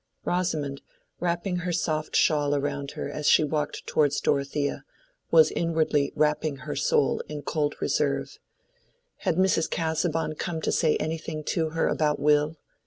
Rosamond, wrapping her soft shawl around her as she walked towards Dorothea, was inwardly wrapping her soul in cold reserve. Had Mrs. Casaubon come to say anything to her about Will?